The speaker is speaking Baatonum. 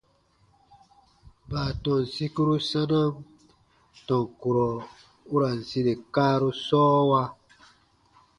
Baatɔn sikuru sanam tɔn kurɔ u ra n sire kaaru sɔɔwa.